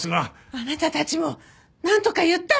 あなたたちもなんとか言ったら！？